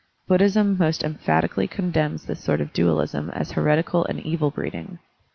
Buddhism most emphatically condemns this sort of dualism as heretical and evil breeding.